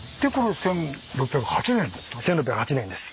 １６０８年です。